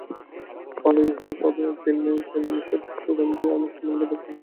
ভালোই, তবে একদিন না একদিন আমি সোগান হয়ে আরো সম্মান অর্জন করব।